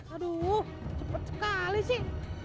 aduh cepat sekali sih